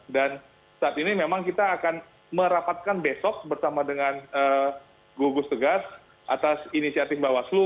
dan saat ini memang kita akan merapatkan besok bersama dengan gugus tugas atas inisiatif bawaslu